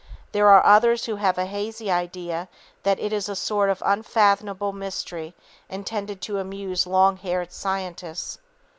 There are others who have a hazy idea that it is a sort of unfathomable mystery intended to amuse long haired scientists.